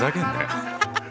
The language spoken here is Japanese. アハハハ。